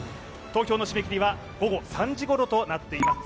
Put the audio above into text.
投票の締め切りは午後３時ごろとなっています。